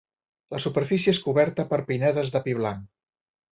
La superfície és coberta per pinedes de pi blanc.